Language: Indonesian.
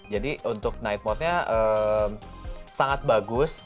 untuk night mode nya sangat bagus